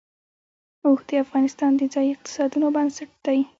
اوښ د افغانستان د ځایي اقتصادونو بنسټ دی.